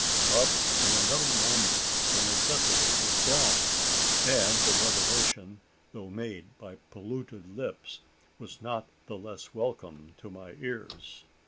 But in another moment the necessity was gone; and the revelation, though made by polluted lips, was not the less welcome to my ears.